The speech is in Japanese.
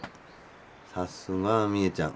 さすが美恵ちゃん。